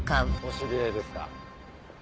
お知り合いですか？